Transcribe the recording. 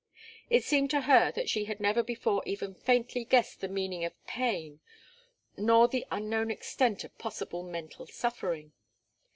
It seemed to her that she had never before even faintly guessed the meaning of pain nor the unknown extent of possible mental suffering.